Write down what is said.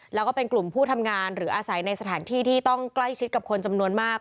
แล้วก็เป็นกลุ่มผู้ทำงานหรืออาศัยในสถานที่ที่ต้องใกล้ชิดกับคนจำนวนมาก